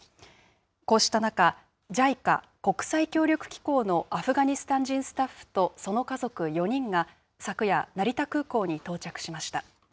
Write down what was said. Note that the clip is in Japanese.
こうした中、ＪＩＣＡ・国際協力機構のアフガニスタン人スタッフとその家族４人が昨夜、成田空港に到着しました。